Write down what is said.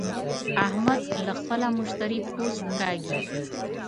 احمد له خپله مشتري پوست کاږي.